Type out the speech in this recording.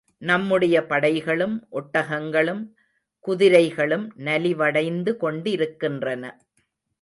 நம்முடைய படைகளும், ஒட்டகங்களும், குதிரைகளும் நலிவடைந்து கொண்டிருக்கின்றன.